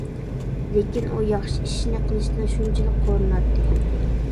لېكىن ئۇ ياخشى ئىشنى قىلىشتىن شۇنچىلىك قورۇناتتى.